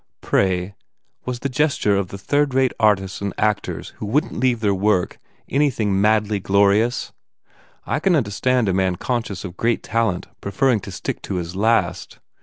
Pray, was the gesture of third rate artists and actors who wouldn t leave their work anything madly glorious? I can understand a man conscious of great talent preferring to stick to his last.